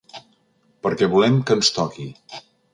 Perquè volem que ens toqui.